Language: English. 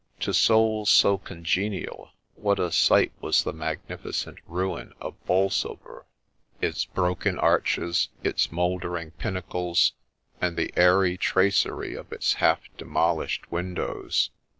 To souls so congenial, what a sight was the magnificent ruin of Bolsover ! its broken arches, its moulder ing pinnacles, and the airy tracery of its half demolished win dows.